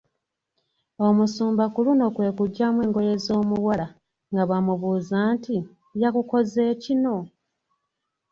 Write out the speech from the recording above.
Omusumba ku luno kwe kuggyamu engoye z’omuwala nga bw’amubuuza nti, “yakukoze kino?"